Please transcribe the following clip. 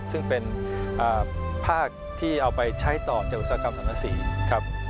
ซึ่งเป็นภาคที่เอาไปใช้ต่อจากอุตสาหกรรมสังกษีครับ